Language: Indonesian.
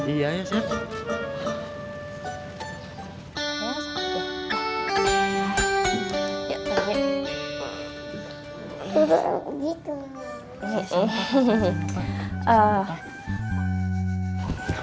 iya ya seth